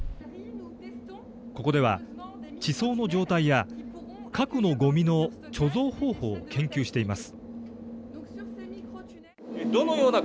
ここでは、地層の状態や核のごみの貯蔵方法を研究しています。